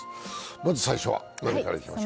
まず最初は何からいきましょう。